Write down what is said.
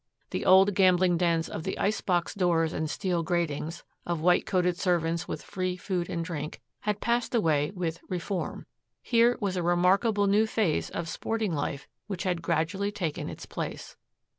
The old gambling dens of the icebox doors and steel gratings, of white coated servants and free food and drink, had passed away with "reform." Here was a remarkable new phase of sporting life which had gradually taken its place.